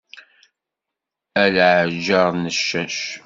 A leɛǧer n ccac.